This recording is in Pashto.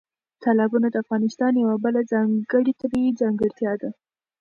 تالابونه د افغانستان یوه بله ځانګړې طبیعي ځانګړتیا ده.